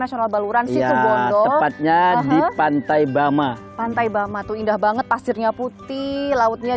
nasional baluran situbondo tepatnya di pantai bama pantai bama tuh indah banget pasirnya putih lautnya